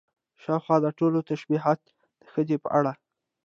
شاوخوا دا ټول تشبيهات د ښځې په اړه